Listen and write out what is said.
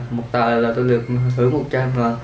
một tờ là tôi được thưởng một trăm linh đồng